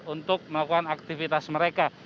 untuk melakukan aktivitas mereka